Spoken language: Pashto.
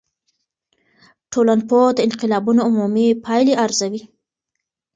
ټولنپوه د انقلابونو عمومي پایلي ارزوي.